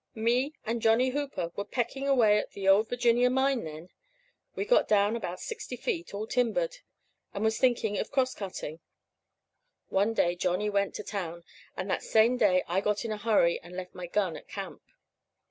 "Me and Johnny Hooper were pecking away at the Ole Virginia mine then. We'd got down about sixty feet, all timbered, and was thinking of crosscutting. One day Johnny went to town, and that same day I got in a hurry and left my gun at camp.